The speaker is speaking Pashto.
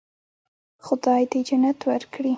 خدای دې جنت ورکړي.